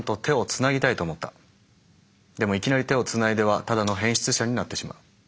でもいきなり手をつないではただの変質者になってしまう。